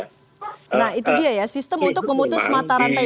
nah itu dia ya sistem untuk memutus mata rantai